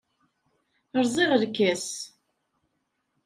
Rẓiɣ lkas.